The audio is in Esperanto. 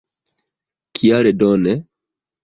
Kial do ne?